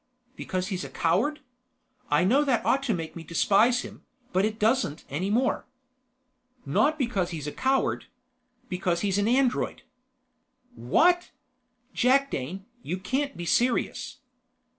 Because he's a coward? I know that ought to make me despise him, but it doesn't any more." "Not because he's a coward. Because he's an android!" "What? Jakdane, you can't be serious!"